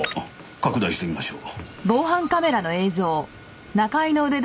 拡大してみましょう。